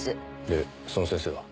でその先生は？